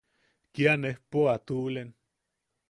Kia nejpo a tuʼulen.